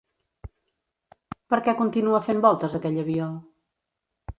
Per què continua fent voltes aquell avió?